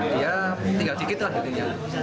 dia tinggal dikit lah di sini